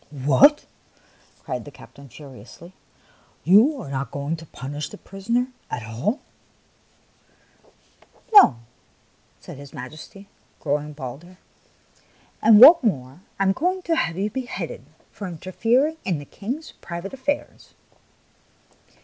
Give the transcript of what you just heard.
" What !" cried the captain, furiously. " You are not going to punish the prisoner at all ?" "No," said his Majesty, growing bolder; " and what is more, I am going to have you beheaded for interfering in the King's private affairs